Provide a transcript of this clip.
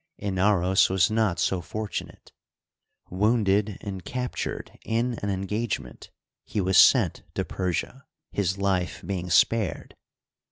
Inaros was not so fortunate : wounded and captured in an engagement, he was sent to Persia, his life being spared.